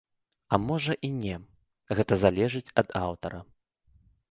А можа, і не, гэта залежыць ад аўтара.